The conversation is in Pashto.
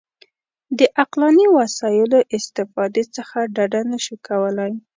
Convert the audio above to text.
د عقلاني وسایلو استفادې څخه ډډه نه شو کولای.